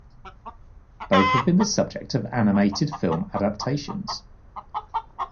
Both have been the subject of animated film adaptations.